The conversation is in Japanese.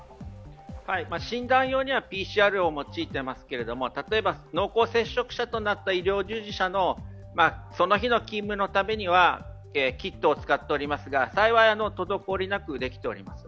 診断用にはＰＣＲを用いていますけれども、例えば濃厚接触者となった医療従事者のその日の勤務のためにはキットを使っておりますが、幸い滞りなくできております。